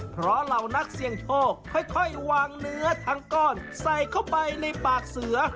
เพราะเหล่านักเสี่ยงโชคค่อยวางเนื้อทั้งก้อนใส่เข้าไปในปากเสือ